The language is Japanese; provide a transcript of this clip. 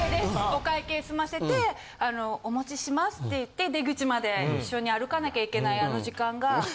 お会計済ませて「お持ちします」って言って出口まで一緒に歩かなきゃいけないあの時間が。